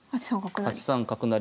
８三角成？